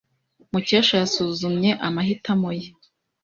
Mukesha yasuzumye amahitamo ye.